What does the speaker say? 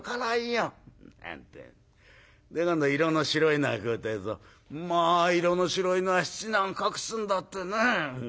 で今度色の白いのが来るってえと「まあ色の白いのは七難隠すんだってね」。